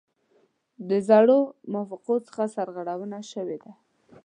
د زړو موافقو څخه سرغړونه شوې ده.